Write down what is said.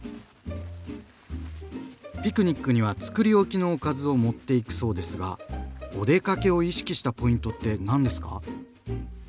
ピクニックにはつくりおきのおかずを持っていくそうですがお出かけを意識したポイントって何ですか？